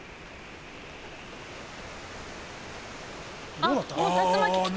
あっもう竜巻来た。